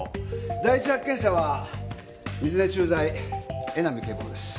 第一発見者は水根駐在江波警部補です。